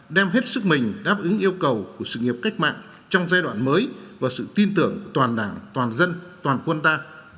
đem hết sức mình đáp ứng yêu cầu của sự nghiệp cách mạng trong giai đoạn mới và sự tin tưởng của toàn đảng toàn dân toàn quân ta